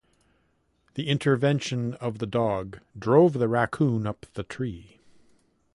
The intervention of the dog drove the raccoon up the tree.